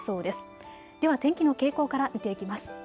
では天気の傾向から見ていきます。